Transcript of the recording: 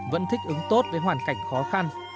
vẫn thích ứng tốt với hoàn cảnh khó khăn